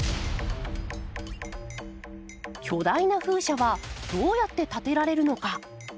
巨大な風車はどうやって建てられるのか。